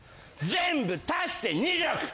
全部足して２６！